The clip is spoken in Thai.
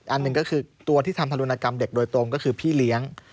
อันหนึ่งก็คือตัวที่ทำธรุณกรรมเด็กโดยตรงก็คือพี่เลี้ยง